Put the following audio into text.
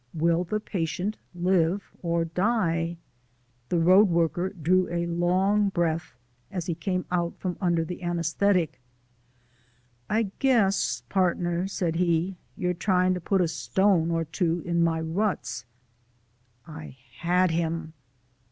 Will the patient live or die? The road worker drew a long breath as he came out from under the anesthetic. "I guess, partner," said he, "you're trying to put a stone or two in my ruts!" I had him!